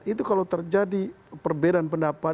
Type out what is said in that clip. itu kalau terjadi perbedaan pendapat